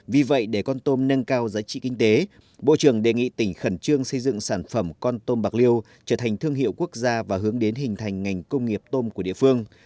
vì vậy để con tôm nâng cao giá trị kinh tế bộ trưởng đề nghị tỉnh khẩn trương xây dựng sản phẩm con tôm bạc liêu trở thành thương hiệu quốc gia và hướng đến hình thành ngành công nghiệp tôm của địa phương